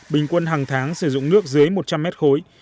bình quân hàng tháng sử dụng nước dưới một trăm linh mét khối